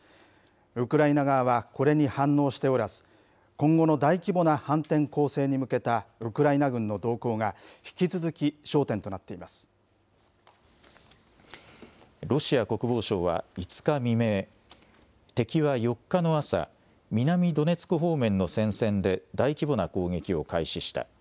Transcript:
ウクライナ側はこれに反応しておらず、今後の大規模な反転攻勢に向けたウクライナ軍の動向が引き続き焦ロシア国防省は５日未明、敵は４日の朝、南ドネツク方面の戦線で大規模な攻撃を開始した。